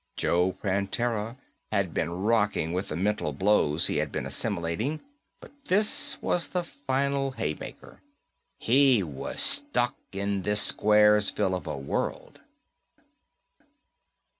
Joe Prantera had been rocking with the mental blows he had been assimilating, but this was the final haymaker. He was stuck in this squaresville of a world.